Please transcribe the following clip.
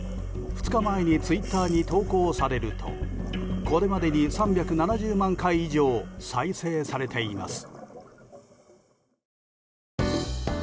２日前にツイッターに投稿されるとこれまでに３７０万回以上再生されています。